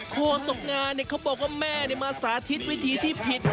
โฆษกงานเขาบอกว่าแม่มาสาธิตวิธีที่ผิด